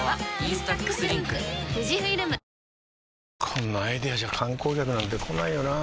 こんなアイデアじゃ観光客なんて来ないよなあ